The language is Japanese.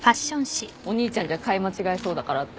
お兄ちゃんじゃ買い間違えそうだからって。